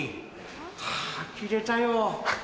はぁあきれたよ。